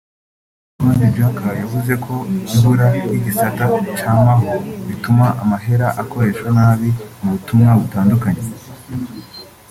Jean-Claude Juncker yavuze ko “Ibura ry’igisata camaho” bituma amahera akoreshwa nabi mu butumwa butandukanye